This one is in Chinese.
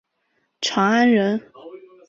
长安人。